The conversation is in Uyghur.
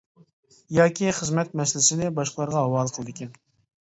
ياكى خىزمەت مەسىلىسىنى باشقىلارغا ھاۋالە قىلىدىكەن.